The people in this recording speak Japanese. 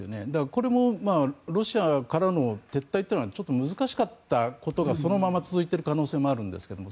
これもロシアからの撤退というのはちょっと難しかったことがそのまま続いている可能性もあるんですけれども。